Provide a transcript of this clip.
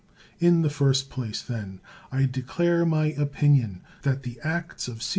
In the first place, then, I declare my opinion that the acts of Ca?